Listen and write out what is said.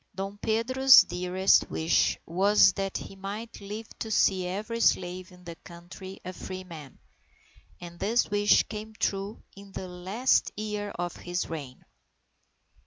Dom Pedro's dearest wish was that he might live to see every slave in the country a free man, and this wish came true in the last year of his reign.